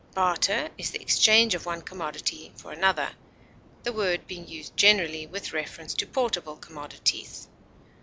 Barter is the exchange of one commodity for another, the word being used generally with reference to portable commodities.